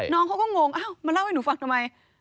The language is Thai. น้องเขาก็งงอ้าวมาเล่าให้หนูฟังทำไม